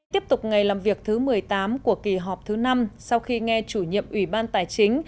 tiếp tục ngày làm việc thứ một mươi tám của kỳ họp thứ năm sau khi nghe chủ nhiệm ủy ban tài chính